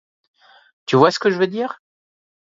« Tu vois ce que je veux dire.